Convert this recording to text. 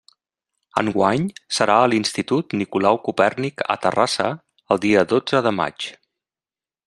Enguany serà a l'Institut Nicolau Copèrnic a Terrassa, el dia dotze de maig.